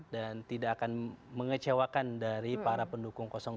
tidak akan mengecewakan dari para pendukung dua